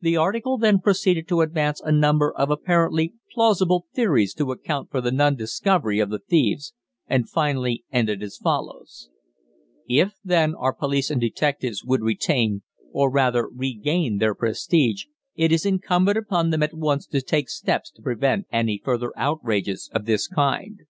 The article then proceeded to advance a number of apparently plausible theories to account for the non discovery of the thieves, and finally ended as follows: If, then, our police and detectives would retain, or rather regain, their prestige, it is incumbent upon them at once to take steps to prevent any further outrages of this kind.